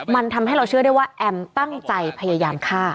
มันทำให้เราเชื่อได้ว่าแอมตั้งใจพยายามฆ่า